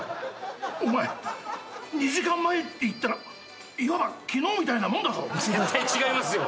お前２時間前っていったらいわば昨日みたいなもんだぞ⁉絶対違いますよ。